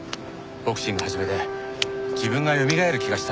ボクシングを始めて自分がよみがえる気がしたんだよね。